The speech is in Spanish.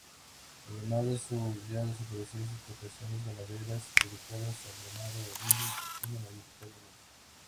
Además de sus ya desaparecidas explotaciones ganaderas, dedicadas al ganado ovino y porcino mayoritariamente.